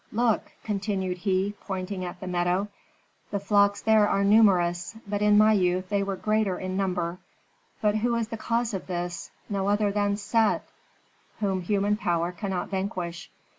"Look!" continued he, pointing at the meadow. "The flocks there are numerous, but in my youth they were greater in number. But who is the cause of this? No other than Set, whom human power cannot vanquish.